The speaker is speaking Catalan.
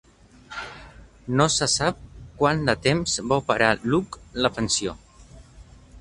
No se sap quan de temps va operar Luke la pensió.